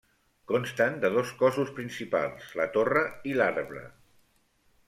Consten de dos cossos principals, la torre i l'arbre.